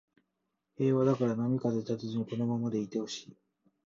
平和だから波風立てずにこのままでいてほしい